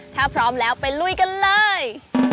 ถ้าพร้อมแล้วไปลุยกันเลย